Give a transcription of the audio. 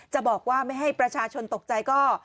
จะบอกว่าไม่ให้ประชาชนตกใจก็